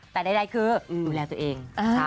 แต่ใดคือดูแลตัวเอง